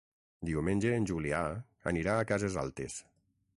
Diumenge en Julià anirà a Cases Altes.